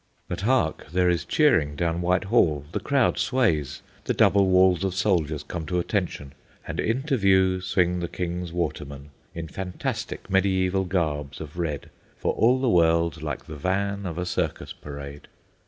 But hark! There is cheering down Whitehall; the crowd sways, the double walls of soldiers come to attention, and into view swing the King's watermen, in fantastic mediaeval garbs of red, for all the world like the van of a circus parade.